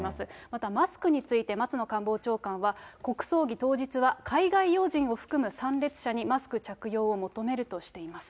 またマスクについて、松野官房長官は、国葬儀当日は、海外要人を含む参列者にマスク着用を求めるとしています。